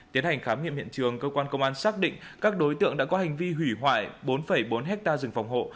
tiến hành khám nghiệm hiện trường cơ quan công an xác định các đối tượng đã có hành vi hủy hoại bốn bốn hectare rừng phòng hộ